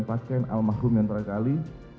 pakaian al masrum yang terakhir kali